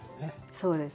そうです。